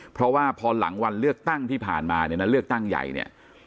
เพราะว่าพอหลังวันเลือกตั้งที่ผ่านมาเนี่ยนะเลือกตั้งใหญ่เนี่ย